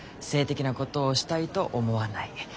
性的なことをしたいと思わない。